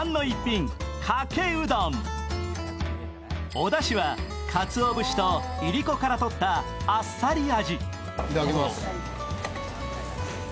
おだしはかつお節といりこからとったあっさり味。